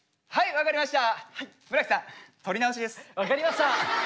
分かりました。